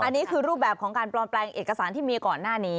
อันนี้คือรูปแบบของการปลอมแปลงเอกสารที่มีก่อนหน้านี้